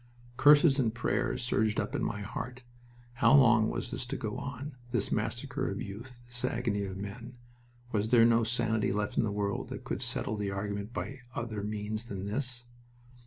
Curses and prayers surged up in my heart. How long was this to go on this massacre of youth, this agony of men? Was there no sanity left in the world that could settle the argument by other means than this?